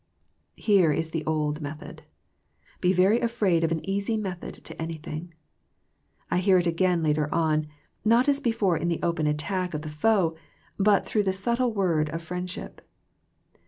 Here is the old method. Be very afraid of any easy method to anything. I hear it again later on, not as before in the open attack of the foe, but through the subtle word of friendship.